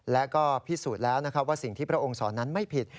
และก็พิสูจน์แล้วนะครับว่าสิ่งที่พระองค์สอนนั้นไม่ผิด